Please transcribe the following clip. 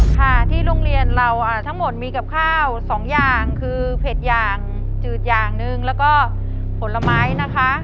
ค่ะที่โรงเรียนเราทั้งหมดมีกับข้าวสองอย่างคือเผ็ดอย่างจืดอย่างหนึ่งแล้วก็ผลไม้นะคะ